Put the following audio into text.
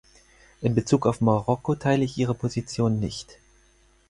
In Bezug auf Marokko teile ich Ihre Position nicht.